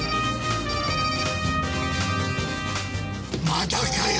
まだかよ！